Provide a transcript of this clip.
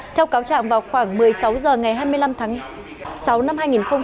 theo cáo trạng vào khoảng một mươi sáu h ngày hai mươi năm tháng sáu năm hai nghìn hai mươi